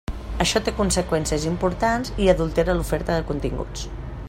Això té conseqüències importants i adultera l'oferta de continguts.